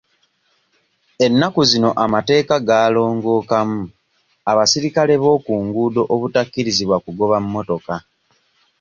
Ennaku zino amateeka gaalongookamu abasirikale bookunguudo obutakkirizibwa kugoba mmotoka.